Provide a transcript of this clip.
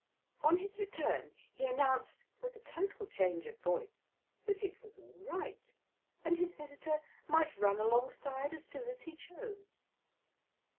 On his return he announced, with a total change of voice, that it was all right, and his visitor might run alongside as soon as he chose.